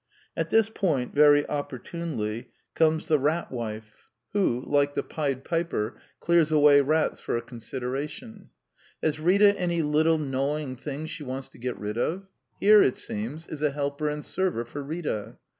At this point, very opportunely, comes the Rat 152 The Quintessence of Ibsenism Wife, who, like the Pied Piper, clears away rats for a consideration. Has Rita any little gnawing things she wants to get rid of? Here, it seems, is a helper and server for Rita.